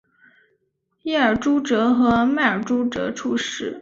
耶尔朱哲和迈尔朱哲出世。